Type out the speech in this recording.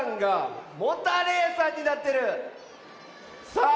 さあ